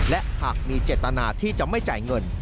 และหากมีเจตนาที่จะไม่จ่ายเงิน